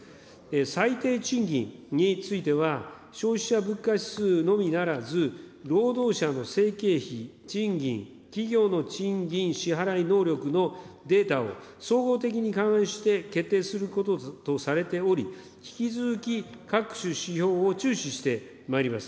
最低賃金については、消費者物価指数のみならず、労働者の生計費、賃金、企業の賃金支払い能力のデータを、総合的に勘案して決定することとされており、引き続き各種指標を注視してまいります。